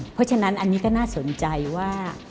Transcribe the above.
เพราะฉะนั้นอันนี้ก็น่าสนใจว่า